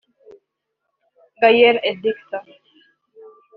Gaëlle Adisson